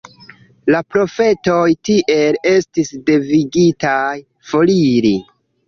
La profetoj tiel estis devigitaj foriri.